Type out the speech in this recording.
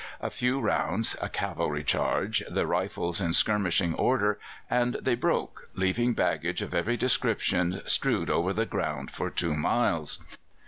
A few rounds, a cavalry charge, the Rifles in skirmishing order, and they broke, leaving baggage of every description strewed over the ground for two miles.